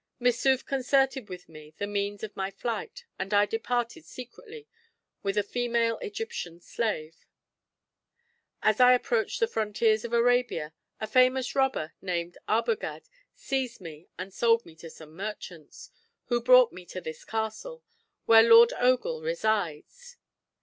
Missouf concerted with me the means of my flight; and I departed secretly with a female Egyptian slave. "As I approached the frontiers of Arabia, a famous robber, named Arbogad, seized me and sold me to some merchants, who brought me to this castle, where Lord Ogul resides.